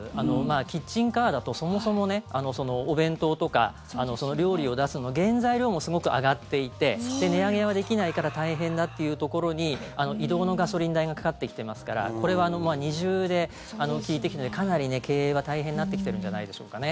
キッチンカーだとそもそもお弁当とか料理を出すのに原材料もすごく上がっていて値上げはできないから大変だというところに移動のガソリン代がかかってきていますからこれは二重で効いてくるのでかなり経営は大変になってきてるんじゃないでしょうか。